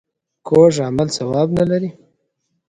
کوږ عمل ثواب نه لري